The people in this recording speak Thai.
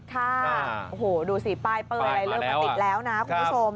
ค่ะดูสีป้ายเปย่เริ่มการดิตแล้วนะคุณผู้โทษม่